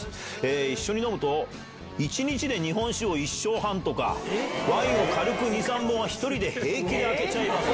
一緒に飲むと、１日で日本酒を１升半とか、ワインを軽く２、３本は、１人で平気で空けちゃいますと。